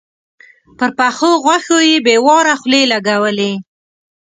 پر پخو غوښو يې بې واره خولې لګولې.